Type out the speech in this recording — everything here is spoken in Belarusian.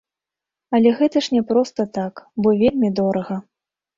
Але гэта ж не так проста, бо вельмі дорага.